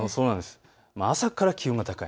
朝から気温が高い。